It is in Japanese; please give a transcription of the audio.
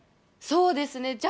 そうですね。